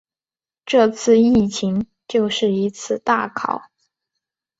这次疫情就是一次大考